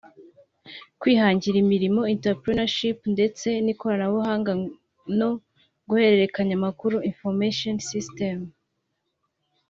Kwihangira Imirimo (Entrepreneurship) ndetse n’Ikoranabuhanga no guhererekanya amakuru (Information Systems)